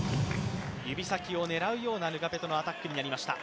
指先を狙うようなヌガペトのアタックになりました。